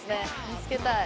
見つけたい。